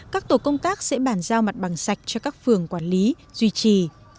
các tổ công tác sẽ bàn giao mặt bằng sạch cho các phường quản lý duy trì